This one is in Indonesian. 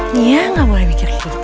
nia gak boleh mikir gitu